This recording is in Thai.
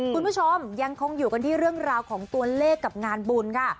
คุณผู้ชมยังคงอยู่กันที่เรื่องราวของตัวเลขกับงานบุญค่ะ